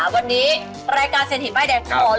วันนี้รายการเซ็นหิวป้ายแดงขอล้วง